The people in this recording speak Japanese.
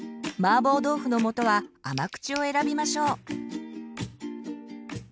マーボー豆腐のもとは甘口を選びましょう。